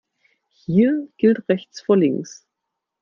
Hier gilt rechts vor links.